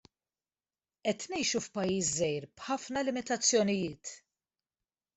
Qed ngħixu f'pajjiż żgħir b'ħafna limitazzjonijiet.